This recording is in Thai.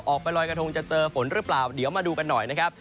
ออกไปลอยกระทงจะเจอฝนหรือเปล่าเดี๋ยวมาดูกันหน่อยนะครับ